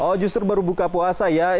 oh justru baru buka puasa ya